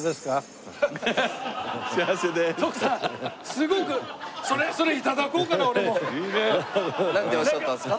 すごくそれ頂こうかな俺も。なんておっしゃったんですか？